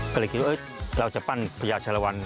ก็เลยคิดว่าเราจะปั้นพญาชะละวัน